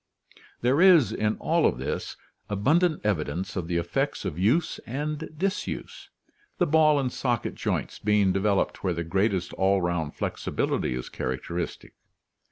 There is, in all of this, abundant evidence of the effects of use and disuse, the ball and socket joints being developed where the greatest all round flexibility is characteristic.